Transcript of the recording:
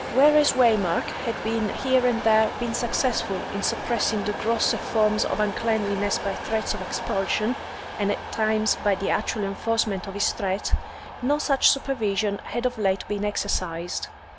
Whereas Waymark had here and there been successful in suppressing the grosser forms of uncleanliness by threats of expulsion, and at times by the actual enforcement of his threat, no such supervision had of late been exercised.